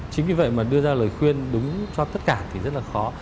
chính vì vậy mà đưa ra lời khuyên đúng cho tất cả thì rất là khó